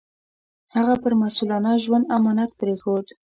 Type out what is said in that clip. هغه پر مسوولانه ژوند امانت پرېښود.